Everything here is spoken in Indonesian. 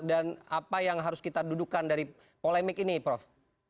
dan apa yang harus kita dudukan dari polemik ini prof